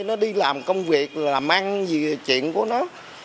nó đi làm công việc làm ăn gì là chuyện của nó